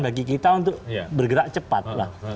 bagi kita untuk bergerak cepat